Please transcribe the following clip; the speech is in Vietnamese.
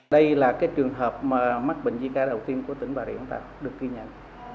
đây là cái trường hợp mắc bệnh zika đầu tiên của tỉnh bà rịa vũng tàu được ghi nhận